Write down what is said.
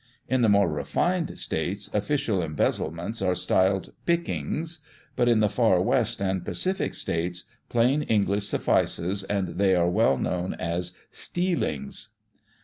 In the more refined states official embezzlements are styled " pickings," but in the Far West and Pacific states plain English suffices, and they are well known as " stealings."